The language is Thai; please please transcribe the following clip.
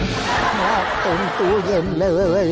มาเต็มตู้เย็นเลย